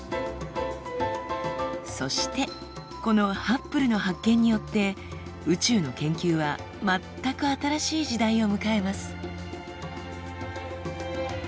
そしてこのハッブルの発見によって宇宙の研究は全く新しい時代を迎えます。